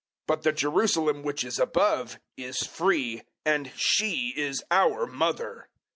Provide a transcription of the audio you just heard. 004:026 But the Jerusalem which is above is free, and *she* is *our* mother.